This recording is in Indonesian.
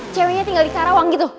ceweknya tinggal di karawang gitu